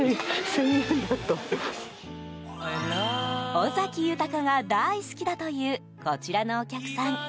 尾崎豊が大好きだというこちらのお客さん。